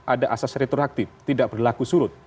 ada asas retroaktif tidak berlaku surut